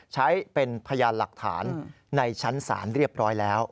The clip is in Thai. ใช้เป็นพยานหลักฐานในชั้นศาลเรียบร้อยแล้ว